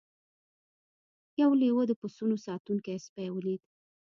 یو لیوه د پسونو ساتونکی سپی ولید.